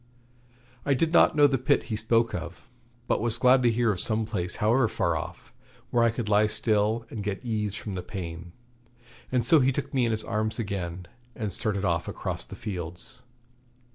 I did not know the pit he spoke of, but was glad to hear of some place, however far off, where I could lie still and get ease from the pain. And so he took me in his arms again and started off across the fields.